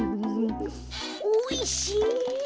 おいしい。